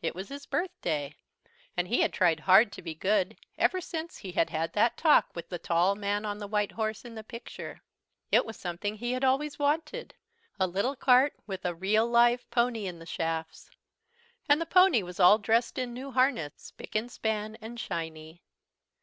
It was his birthday, and he had tried hard to be good ever since he had had that talk with the tall man on the white horse in the picture. It was something he had always wanted, a little cart with a real live pony in the shafts. And the pony was all dressed in new harness, spick and span and shiny.